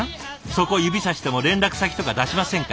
そこ指さしても連絡先とか出しませんから！